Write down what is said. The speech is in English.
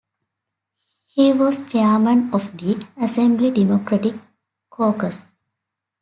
He was Chairman of the Assembly Democratic Caucus.